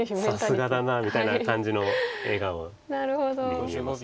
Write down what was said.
さすがだなみたいな感じの笑顔に見えます。